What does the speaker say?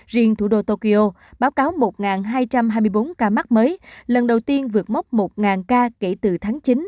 riêng thủ đô tokyo báo cáo một hai trăm hai mươi bốn ca mắc mới lần đầu tiên vượt mốc một ca kể từ tháng chín